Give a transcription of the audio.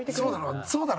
そうだろ？